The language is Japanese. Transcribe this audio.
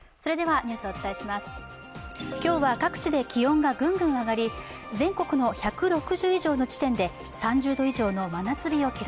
今日は各地で気温がグングン上がり、全国の１６０以上の地点で３０度以上の真夏日を記録。